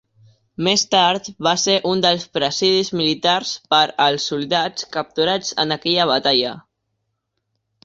Més tard va ser un dels presidis militars per als soldats capturats en aquella batalla.